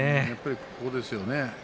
ここですよね。